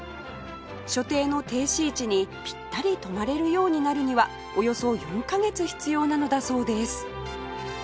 所定の停止位置にぴったり止まれるようになるにはおよそ４カ月必要なのだそうです